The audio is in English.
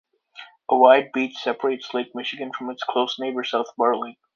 A wide beach separates Lake Michigan from its close neighbor, South Bar Lake.